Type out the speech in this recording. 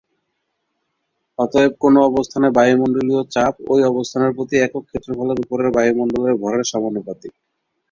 অতএব, কোন অবস্থানে বায়ুমণ্ডলীয় চাপ ওই অবস্থানের প্রতি একক ক্ষেত্রফলের উপরের বায়ুমণ্ডলের ভরের সমানুপাতিক।